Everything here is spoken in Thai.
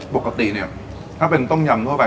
ปกติเนี่ยถ้าเป็นต้มยำทั่วไป